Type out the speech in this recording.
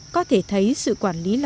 có thể thấy sự quản lý lòng lèo